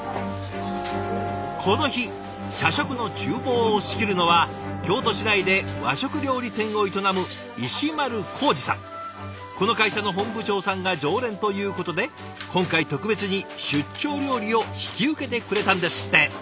この日社食のちゅう房を仕切るのは京都市内で和食料理店を営むこの会社の本部長さんが常連ということで今回特別に出張料理を引き受けてくれたんですって。